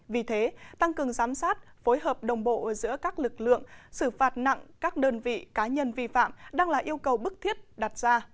vì thế tăng cường giám sát phối hợp đồng bộ giữa các lực lượng xử phạt nặng các đơn vị cá nhân vi phạm đang là yêu cầu bức thiết đặt ra